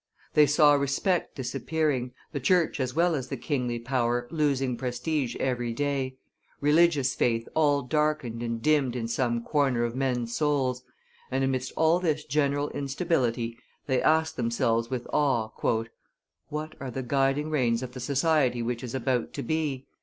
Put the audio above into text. They saw respect disappearing, the church as well as the kingly power losing prestige every day, religious faith all darkened and dimmed in some corner of men's souls, and, amidst all this general instability, they asked themselves with awe, "What are the guiding reins of the society which is about to be?